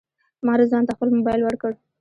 ما رضوان ته خپل موبایل ورکړ.